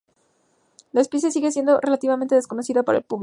La especie sigue siendo relativamente desconocida para el público.